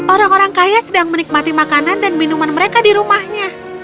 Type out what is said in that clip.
orang orang kaya sedang menikmati makanan dan minuman mereka di rumahnya